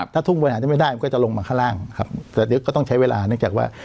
ถ้าทุ่งบริหารยังไม่ได้มันก็จะลงมาข้างล่างครับแต่เดี๋ยวก็ต้องใช้เวลาเนื่องจากว่า